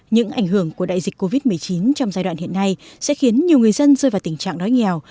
những ảnh hưởng của đại dịch covid một mươi chín trong giai đoạn hiện nay sẽ khiến nhiều người dân rơi vào tình trạng đói nghèo